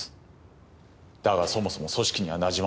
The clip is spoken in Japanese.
だがそもそも組織には馴染まない。